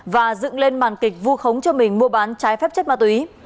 và dựng lên màn kịch vu khống cho mình mua bán trái phép chất ma túy